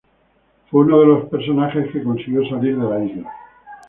Fue uno de los personajes que consiguió salir de la Isla.